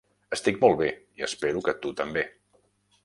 Estic molt bé i espero que tu també.